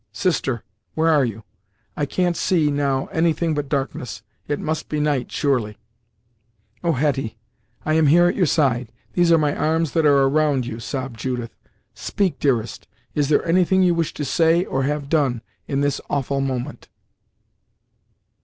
Sister, where are you? I can't see, now, anything but darkness. It must be night, surely!" "Oh! Hetty, I am here at your side; these are my arms that are around you," sobbed Judith. "Speak, dearest; is there anything you wish to say, or have done, in this awful moment."